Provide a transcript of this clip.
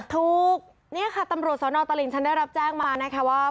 ถูกนี่ค่ะตำรวจสนตลิ่งชันได้รับแจ้งมานะคะว่า